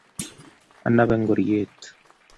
Anape ngoryet